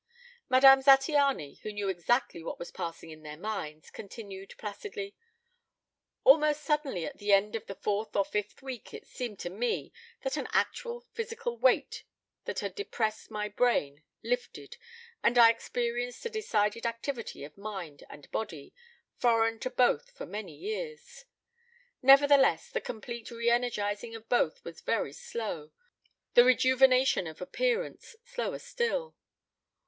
Madame Zattiany, who knew exactly what was passing in their minds, continued placidly: "Almost suddenly at the end of the fourth or fifth week, it seemed to me that an actual physical weight that had depressed my brain lifted, and I experienced a decided activity of mind and body, foreign to both for many years. Nevertheless, the complete reënergizing of both was very slow, the rejuvenation of appearance slower still.